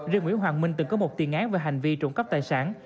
riêng nguyễn hoàng minh từng có một tiền án về hành vi trộm cắp tài sản